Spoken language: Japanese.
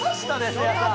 せいやさん！